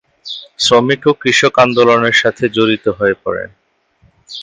শ্রমিক ও কৃষক আন্দোলনের সাথে জড়িত হয়ে পড়েন।